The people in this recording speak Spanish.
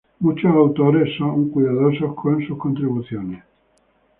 Muchos autores son cuidadosos con sus contribuciones.